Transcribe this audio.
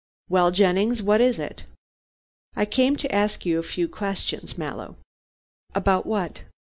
"Well, Jennings, what is it?" "I came to ask you a few questions, Mallow." "About what?"